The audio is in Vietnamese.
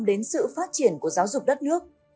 đến sự phát triển của giáo dục đất nước